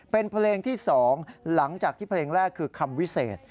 เป็นเพลงที่๒หลังจากที่เพลงแรกคือคำวิเศษ